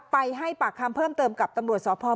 ไปให้ปากคำเพิ่มเติมกับตำรวจสอภอเมืองพัทยา